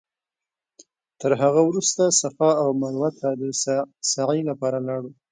تر هغه وروسته صفا او مروه ته د سعې لپاره لاړو.